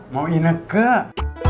mau minum kak